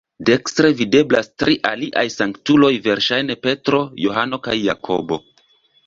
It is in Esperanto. Dekstre videblas tri aliaj sanktuloj, verŝajne Petro, Johano kaj Jakobo.